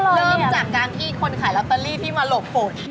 เริ่มจากการที่คนขายลอตเตอรี่ที่มาหลบฝน